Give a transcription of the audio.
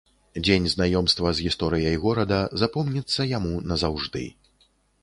Дзень знаёмства з гісторыяй горада запомніцца яму назаўжды.